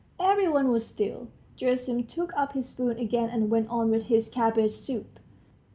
Every one was still. Gerasim took up his spoon again and went on with his cabbage soup.